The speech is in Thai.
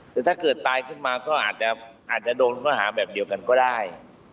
แต่ถ้าเกิดตายขึ้นมาก็อาจจะโดนข้อหาแบบเดียวกันก็ได้